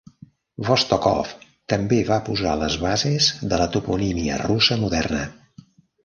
Vostokov també va posar les bases de la toponímia russa moderna.